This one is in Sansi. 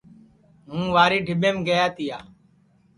ہُوں واری ڈبھینٚم گیا تِیا